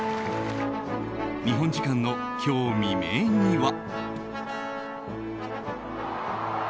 日本時間の今日未明には。